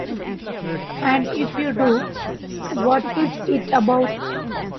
And, if you do, what is it about?